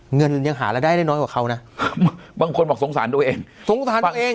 เงินยังหารายได้ได้น้อยกว่าเขานะบางคนบอกสงสารตัวเองสงสารตัวเอง